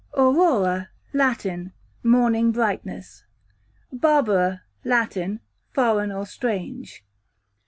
Aurora, Latin, morning brightness. Barbara, Latin, foreign or strange.